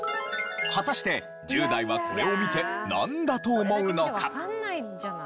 果たして１０代はこれを見てなんだと思うのか？